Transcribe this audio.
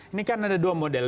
ini kan ada dua model